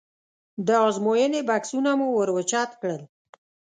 د ازموینې بکسونه مو ور اوچت کړل.